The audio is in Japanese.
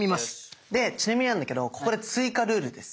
でちなみになんだけどここで追加ルールです。